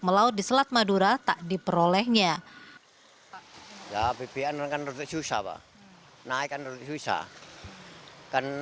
melaut di selat madura tak diperolehnya ya bpn dengan rute susah pak naikkan rute susah kan